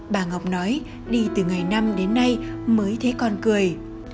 bà ngọc nói đi từ ngày năm đến nay mới thấy con cười